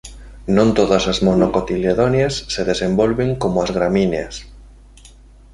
Non todas as monocotiledóneas se desenvolven como as gramíneas.